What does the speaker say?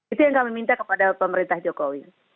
itu yang kami minta kepada pemerintah jokowi